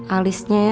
alisnya agak dekat